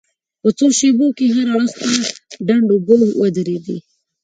په څو شېبو کې هر اړخ ته ډنډ اوبه ودرېدې.